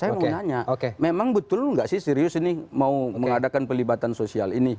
saya mau nanya memang betul nggak sih serius ini mau mengadakan pelibatan sosial ini